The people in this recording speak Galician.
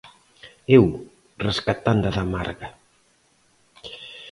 Eu, rescatando a da Marga.